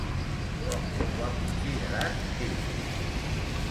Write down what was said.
Com ho ha considerat ell?